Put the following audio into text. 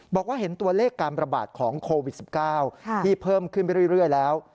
บอกว่าเห็นตัวเลขการประบาดของโควิด๑๙ที่เพิ่มขึ้นไปเรื่อยแล้ว